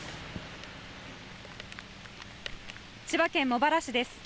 千葉県茂原市です。